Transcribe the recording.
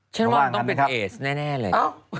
ฉันว่าต้องเป็นเอสแน่เลย